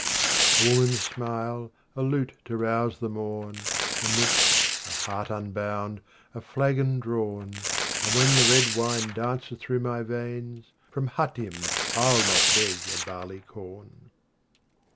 9 A woman's smile, a lute to rouse the morn, A nook, a heart unbound, a flagon drawn. And when the red wine dances through my veins From Hatim ^ I'll not beg a barley corn.